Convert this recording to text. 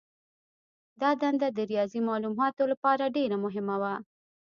دا دنده د ریاضي مالوماتو لپاره ډېره مهمه وه.